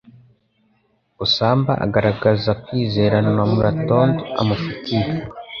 usamba agaragaza kwizera n'umlatndo amufitiye!